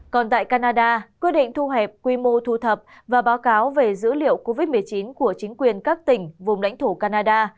còn tại canada quyết định thu hẹp quy mô thu thập và báo cáo về dữ liệu covid một mươi chín của chính quyền các tỉnh vùng lãnh thổ canada